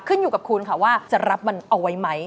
ขึ้นอยู่กับคุณค่ะว่าจะรับมันเอาไว้ไหม